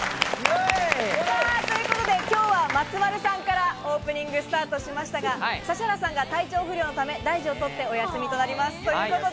ということで今日は松丸さんからオープニングスタートしましたが指原さんが体調不良のため、大事を取ってお休みとなります。